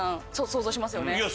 想像しますよね。